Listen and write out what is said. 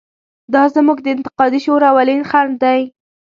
دا زموږ د انتقادي شعور اولین خنډ دی.